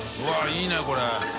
いいねこれ。